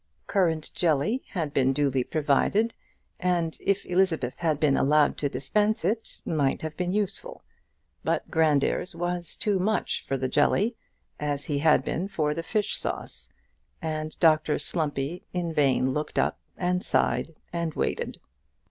Currant jelly had been duly provided, and, if Elizabeth had been allowed to dispense it, might have been useful. But Grandairs was too much for the jelly, as he had been for the fish sauce, and Dr Slumpy in vain looked up, and sighed, and waited.